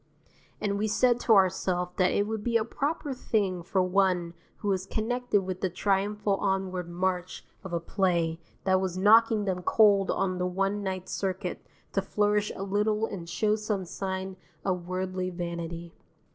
And we said to ourself that it would be a proper thing for one who was connected with the triumphal onward march of a play that was knocking them cold on the one night circuit to flourish a little and show some sign of worldly vanity.